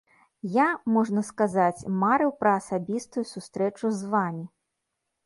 Я, можна сказаць, марыў пра асабістую сустрэчу з вамі.